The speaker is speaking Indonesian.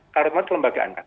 kalau di mana kelembagaan kan